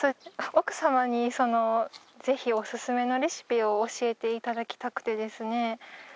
奥様にぜひおすすめのレシピを教えていただきたくてですね。